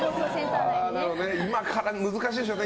今から難しいでしょうね